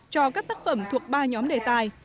cho các tác phẩm thuộc ba nhóm đề tài